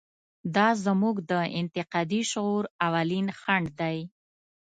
دا زموږ د انتقادي شعور اولین خنډ دی.